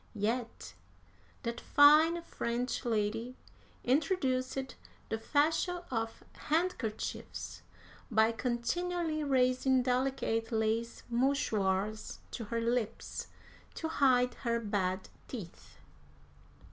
Yet that fine French lady introduced the fashion of handkerchiefs by continually raising delicate lace mouchoirs to her lips to hide her bad teeth.